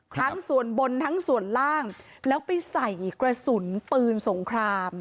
ทั้งส่วนบนทั้งส่วนล่างแล้วไปใส่กระสุนปืนสงคราม